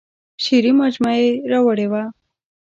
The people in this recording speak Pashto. شعري مجموعه یې راوړې وه.